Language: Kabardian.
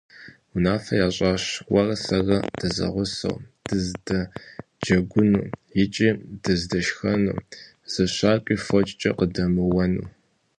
Унафэ ящӀащ уэрэ сэрэ дызэгъусэу дыздэджэгуну, икӀи дыздэшхэну, зы щакӀуи фочкӀэ къыдэмыуэну.